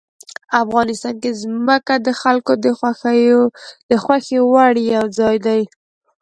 افغانستان کې ځمکه د خلکو د خوښې وړ یو ځای دی.